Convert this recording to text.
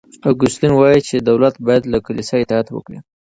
اګوستين وايي چي دولت بايد له کليسا اطاعت وکړي.